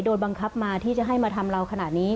โดนบังคับมาที่จะให้มาทำเราขนาดนี้